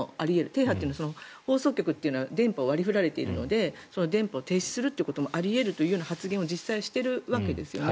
停波というのは放送局というのは電波を割り振られているのでその電波を停止することもあり得ると発言を実際にしているわけですよね。